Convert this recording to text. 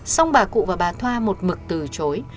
xong bà cụ và bà thoa một mực từ chối